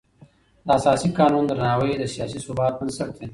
د اساسي قانون درناوی د سیاسي ثبات بنسټ دی